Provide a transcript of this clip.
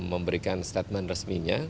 memberikan statement resminya